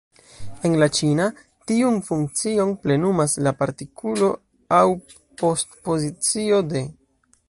En la ĉina, tiun funkcion plenumas la partikulo, aŭ postpozicio, de.